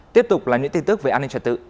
tiếp tục là những tin tức về an ninh trật tự